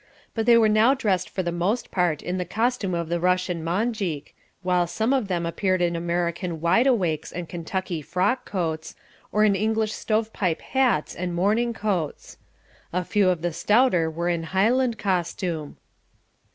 But they were now dressed for the most part in the costume of the Russian Monjik, while some of them appeared in American wideawakes and Kentucky frock coats, or in English stove pipe hats and morning coats. A few of the stouter were in Highland costume.